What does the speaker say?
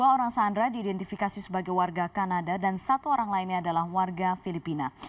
dua orang sandra diidentifikasi sebagai warga kanada dan satu orang lainnya adalah warga filipina